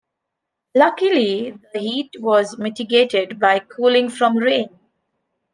Luckily, the heat was mitigated by cooling from rain.